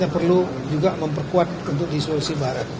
perlu juga memperkuat untuk di sulawesi barat